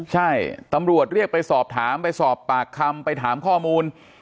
ใช่ตำรวจเรียกไปสอบถามไปสอบปากคำไปถามข้อมูล